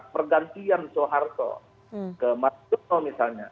pergantian soeharto ke mas jorno misalnya